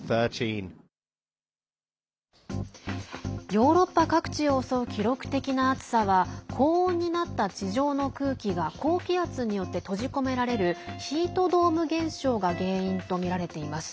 ヨーロッパ各地を襲う記録的な暑さは高温になった地上の空気が高気圧によって閉じ込められるヒートドーム現象が原因とみられています。